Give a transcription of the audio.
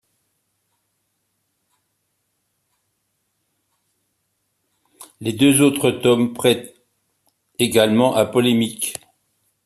Les deux autres tomes prêtent également à polémique.